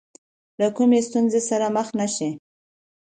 له کومې ستونزې سره مخ نه شي.